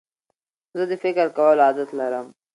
زه د فکر کولو عادت لرم.